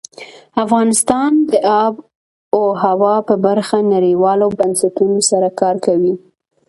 افغانستان د آب وهوا په برخه کې نړیوالو بنسټونو سره کار کوي.